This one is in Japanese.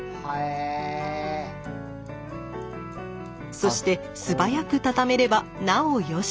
そして素早く畳めればなお良し。